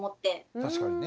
確かにね。